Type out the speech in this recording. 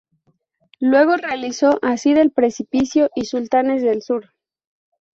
Luego realizó "Así del precipicio" y "Sultanes del sur".